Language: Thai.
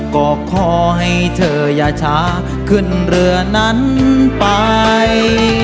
ก็ขอให้เธออย่าช้าขึ้นเรือนั้นไป